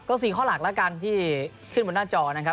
ก็๔ข้อหลักแล้วกันที่ขึ้นบนหน้าจอนะครับ